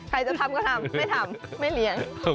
ใครจนทำก็ทำไม่ทำ